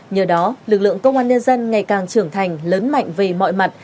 nhờ đó lực lượng công an nhân dân ngày càng trưởng thành lớn mạnh về mọi mặt